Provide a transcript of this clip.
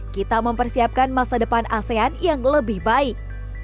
kita mempersiapkan masa depan asean yang lebih baik